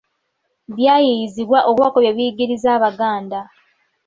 Byayiiyizibwa okubaako kye biyigiriza Abaganda.